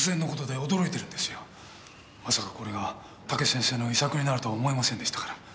まさかこれが武先生の遺作になるとは思いませんでしたから。